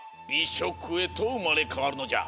しょくへとうまれかわるのじゃ。